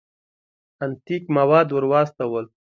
انتیک مواد ور واستول.